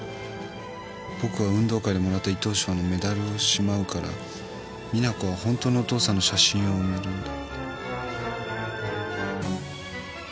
「僕は運動会でもらった一等賞のメダルをしまうから実那子は本当のお父さんの写真を埋めるんだ」